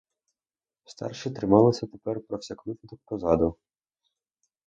Старші трималися тепер про всяк випадок позаду.